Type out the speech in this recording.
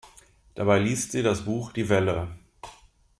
Dabei liest sie das Buch "Die Welle".